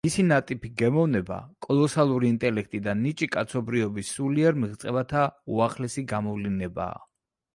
მისი ნატიფი გემოვნება, კოლოსალური ინტელექტი და ნიჭი კაცობრიობის სულიერ მიღწევათა უახლესი გამოვლინებაა.